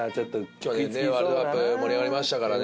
去年ねワールドカップ盛り上がりましたからね。